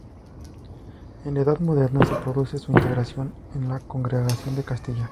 En la Edad Moderna, se produce su integración en la Congregación de Castilla.